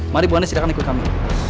mari bu andis silahkan ikut kami